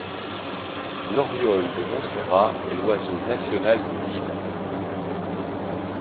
L’Oriole de Montserrat est l’oiseau national de l’île.